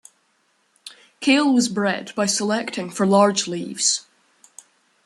Kale was bred by selecting for large leaves.